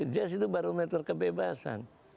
jazz itu barometer kebebasan